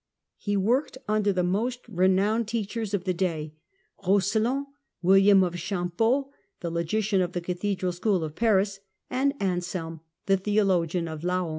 He worked under the most renowned teachers of the day, Eoscelin, William of Champeaux, the logician of the cathedral school of Paris, and Anselm, the theologian of Laon.